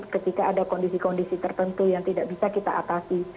ketika ada kondisi kondisi tertentu yang tidak bisa kita atasi